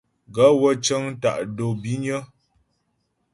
Gaə̂ wə́ cə́ŋ tá' dǒ bínyə́.